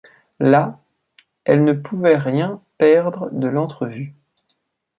Là, elles ne pouvaient rien perdre de l’entrevue.